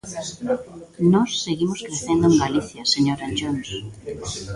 Nós seguimos crecendo en Galicia, señor Anllóns.